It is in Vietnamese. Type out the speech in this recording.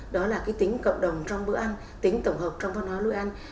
đó là tính cộng đồng trong bữa ăn tính tổng hợp trong văn hóa nuôi ăn